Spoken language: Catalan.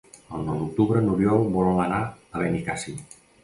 El nou d'octubre n'Oriol vol anar a Benicàssim.